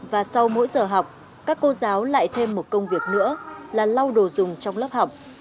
và sau mỗi giờ học các cô giáo lại thêm một công việc nữa là lau đồ dùng trong lớp học